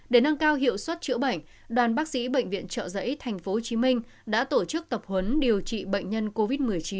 để nâng cao hiệu suất chữa bệnh đoàn bác sĩ bệnh viện trợ giấy tp hcm đã tổ chức tập huấn điều trị bệnh nhân covid một mươi chín